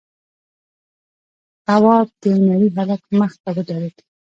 تواب د نري هلک مخې ته ودرېد: